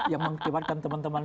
yang mengakibatkan teman teman